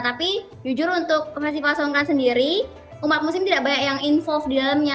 tapi jujur untuk festival songkran sendiri umat muslim tidak banyak yang involve di dalamnya